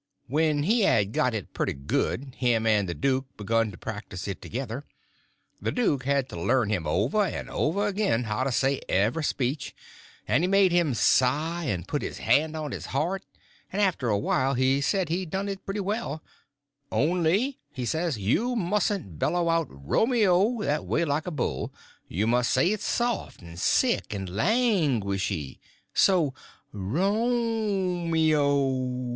When he had got it pretty good him and the duke begun to practice it together. The duke had to learn him over and over again how to say every speech; and he made him sigh, and put his hand on his heart, and after a while he said he done it pretty well; "only," he says, "you mustn't bellow out Romeo! that way, like a bull—you must say it soft and sick and languishy, so—R o o meo!